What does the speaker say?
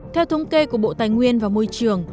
theo thống kê của bộ tài nguyên và môi trường